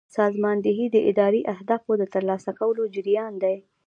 سازماندهي د اداري اهدافو د ترلاسه کولو جریان دی.